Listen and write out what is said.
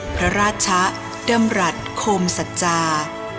พระราชะดำรัฐโคมสัจจา